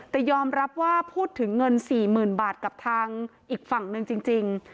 แต่ยอมรับว่าพูดถึงเงิน๔๐๐๐บาทกับทางอีกฝั่งหนึ่งจริง